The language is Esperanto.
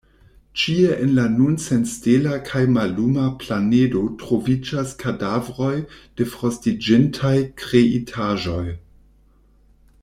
Ĉie en la nun senstela kaj malluma planedo troviĝas kadavroj de frostiĝintaj kreitaĵoj.